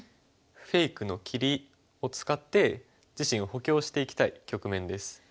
フェイクの切りを使って自身を補強していきたい局面です。